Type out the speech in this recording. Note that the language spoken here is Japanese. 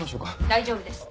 大丈夫です。